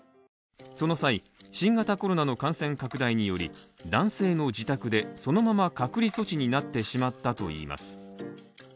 その際、新型コロナの感染拡大により、男性の自宅で、そのまま隔離措置になってしまったといいます